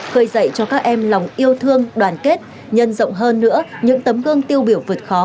khơi dậy cho các em lòng yêu thương đoàn kết nhân rộng hơn nữa những tấm gương tiêu biểu vượt khó